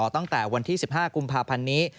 ตั้งแต่วันที่๑๕กุมภาพันธ์นี้